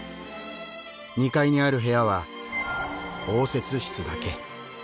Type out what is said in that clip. ２階にある部屋は応接室だけ。